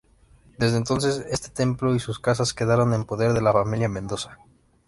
Desde entonces, este templo y sus casas quedaron en poder de la familia Mendoza.